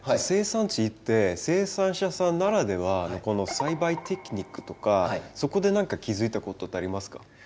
生産地行って生産者さんならではのこの栽培テクニックとかそこで何か気付いたことってありますか？